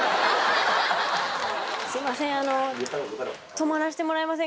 すいませんあの。